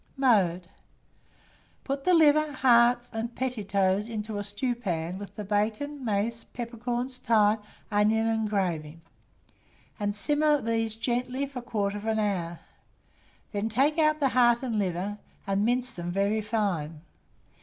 Mode. Put the liver, heart, and pettitoes into a stewpan with the bacon, mace, peppercorns, thyme, onion, and gravy, and simmer these gently for 1/4 hour; then take out the heart and liver, and mince them very fine.